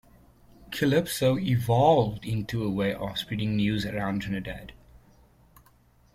Calypso evolved into a way of spreading news around Trinidad.